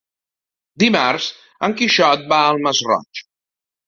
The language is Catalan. Dimarts en Quixot va al Masroig.